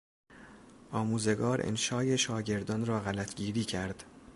آموزگار انشای شاگردان را غلطگیری کرد.